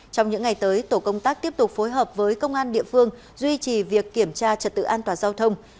trong những ngày tới tổ công tác tiếp tục phối hợp với công an địa phương duy trì việc kiểm tra trật tự an toàn giao thông